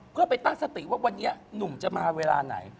เพื่อไปตั้งสติว่าวันนี้หนุ่มจะมาเวลาไหน